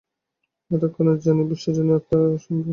এক্ষণে আমরা জানি বিশ্বজনীন আত্মা অনন্ত।